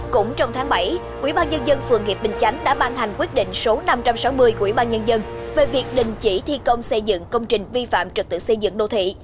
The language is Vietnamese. cũng trong tháng bảy ủy ban nhân dân phường hiệp bình chánh đã ban hành quyết định số năm trăm sáu mươi của ủy ban nhân dân về việc đình chỉ thi công xây dựng công trình vi phạm trực tự xây dựng đô thị